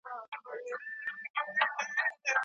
هغه ټولنه چې انرژي سپما کوي، دوام لري.